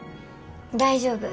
大丈夫。